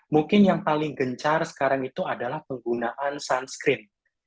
mungkin yang paling gencar sekarang itu adalah penggunaan sunscreen